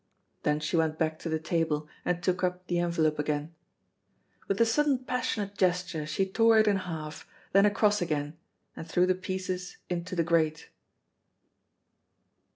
Then she went back to the table and took up the envelope again. With a sudden passionate gesture she tore it in half, then across again, and threw the pieces into the grate.